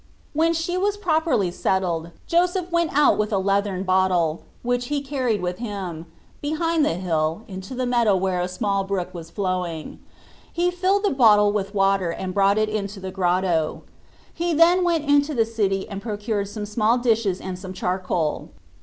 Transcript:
When she was properly settled Joseph went out with a leathern bottle, which he carried with him, behind the hill, into the meadow where a small brook was flowing. He filled the bottle with water and brought it into the grotto. He then went into the city and procured some small dishes and some charcoal.